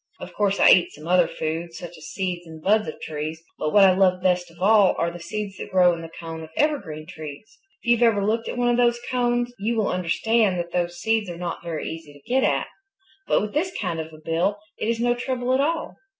Of course I eat some other food, such as seeds and buds of trees. But what I love best of all are the seeds that grow in the cones of evergreen trees. If you've ever looked at one of those cones, you will understand that those seeds are not very easy to get at. But with this kind of a bill it is no trouble at all.